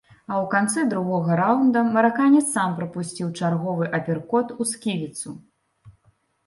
А ў канцы другога раўнда мараканец сам прапусціў чарговы аперкот у сківіцу.